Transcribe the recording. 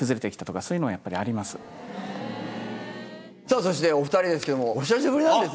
そしてお２人ですけども久しぶりなんですね。